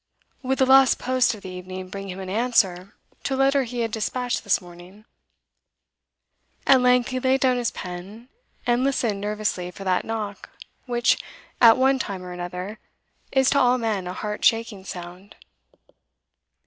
Would the last post of the evening bring him an answer to a letter he had despatched this morning? At length he laid down his pen, and listened nervously for that knock which, at one time or another, is to all men a heart shaking sound.